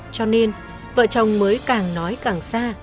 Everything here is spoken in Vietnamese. cho nên vợ chồng mới càng nói càng xa